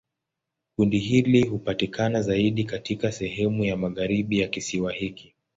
Kundi hili hupatikana zaidi katika sehemu ya magharibi ya kisiwa hiki.